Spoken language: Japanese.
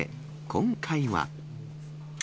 今回は。